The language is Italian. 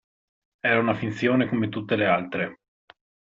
Era una finzione come tutte le altre.